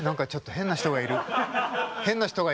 変な人がいるな。